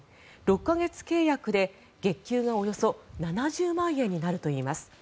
６か月契約で月給がおよそ７０万円になるといいます。